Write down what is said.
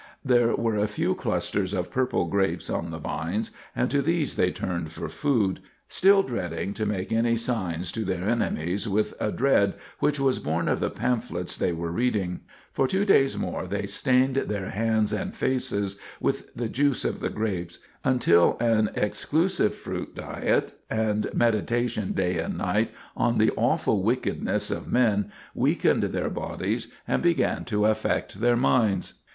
There were a few clusters of purple grapes on the vines, and to these they turned for food, still dreading to make any signs to their enemies, with a dread which was born of the pamphlets they were reading. For two days more they stained their hands and faces with the juice of the grapes, until an exclusive fruit diet, and meditation day and night on the awful wickedness of men, weakened their bodies and began to affect their minds.